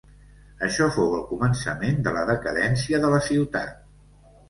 Això fou el començament de la decadència de la ciutat.